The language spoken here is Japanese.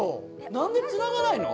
何でつながないの？